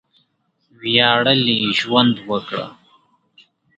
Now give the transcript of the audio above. وياړلی ژوند وکړه!